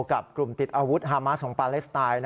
กับกลุ่มติดอาวุธฮามาสของปาเลสไตน์